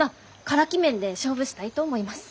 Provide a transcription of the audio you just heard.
カラキ麺で勝負したいと思います。